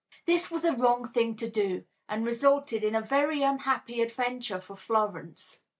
This was a wrong thing to do, and resulted in a very unhappy adventure for Florence.